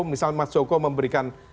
misal mas joko memberikan